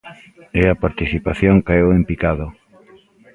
E a participación caeu en picado.